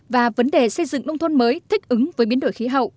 và vấn đề xây dựng nông thôn mới thích ứng với biến đổi khí hậu